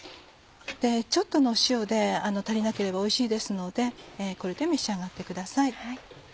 でちょっとの塩で足りなければおいしいですのでこれで召し上がってください。